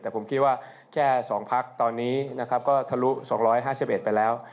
แต่ผมคิดว่าแค่๒พักตอนนี้นะครับก็ทะลุ๒๕๑ไปแล้ว